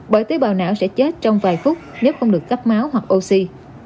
bởi tế bào não sẽ chết trong vài phút nếu không được cấp máu hoặc oxy